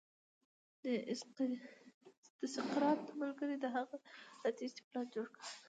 د سقراط ملګرو د هغه د تېښې پلان جوړ کړ.